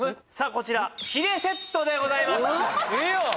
こちらヒレセットでございます・ええやん！